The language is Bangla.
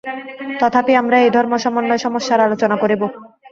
তথাপি আমরা এই ধর্ম-সমন্বয়-সমস্যার আলোচনা করিব।